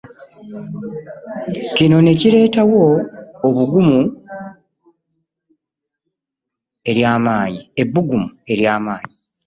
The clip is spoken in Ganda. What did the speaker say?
Kino ne kireetawo ebbugumu ery'amaanyi.